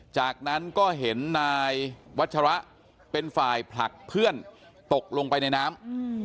จากนั้นก็เห็นนายวัชระเป็นฝ่ายผลักเพื่อนตกลงไปในน้ำ